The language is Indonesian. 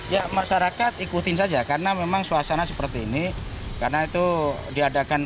ya masyarakat ikutin saja karena memang suasana seperti ini karena itu diadakan